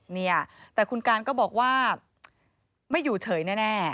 เนี่ยแต่คุณการก็บอกว่าไม่อยู่เฉยแน่